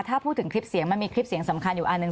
ถ้าพูดถึงคลิปเสียงมันมีคลิปเสียงสำคัญอยู่อันหนึ่ง